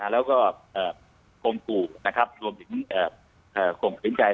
แล้วก็คงกู่รวมถึงคงกลิ่นกาย